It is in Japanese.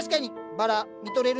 バラ見とれるね。